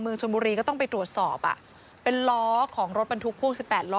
ชนบุรีก็ต้องไปตรวจสอบอ่ะเป็นล้อของรถบรรทุกพ่วงสิบแปดล้อ